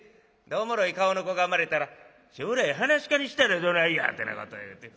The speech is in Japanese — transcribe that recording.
でおもろい顔の子が生まれたら「将来噺家にしたらどないや」ってなこと言うて。